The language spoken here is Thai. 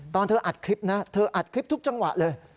ตอนเธออัดคลิปนะเธออัดคลิปทุกจังหวะเลย